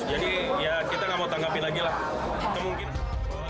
jadi ya kita tidak mau tanggapin lagi lah